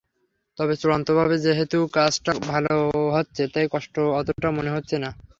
তবে চূড়ান্তভাবে যেহেতু কাজটা ভালো হচ্ছে তাই কষ্ট অতটা মনে হচ্ছে না।